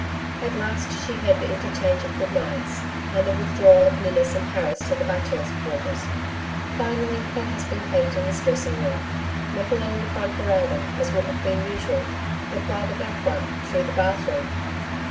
At last she heard the interchange of good nights, and the withdrawal of Ninnis and Harris to the Bachelor's Quarters. Finally, her husband came to his dressing room not along the front veranda, as would have been usual, but by the back one, through the bathroom.